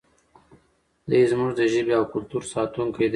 دی زموږ د ژبې او کلتور ساتونکی دی.